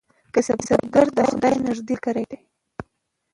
کسبګر د خدای نږدې ملګری وي.